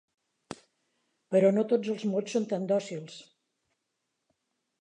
Però no tots els mots són tan dòcils.